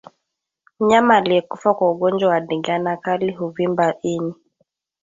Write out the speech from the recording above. Mnyama aliyekufa kwa ugonjwa wa ndigana kali huvimba ini